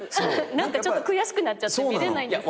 何かちょっと悔しくなっちゃって見れないんですよ。